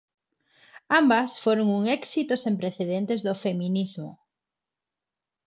Ambas foron un éxito sen precedentes do feminismo.